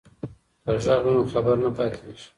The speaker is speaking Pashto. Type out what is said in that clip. که غږ وي نو خبر نه پاتیږي.